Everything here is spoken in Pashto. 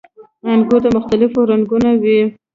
• انګور د مختلفو رنګونو وي.